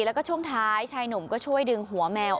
แล้วก็ช่วงท้ายชายหนุ่มก็ช่วยดึงหัวแมว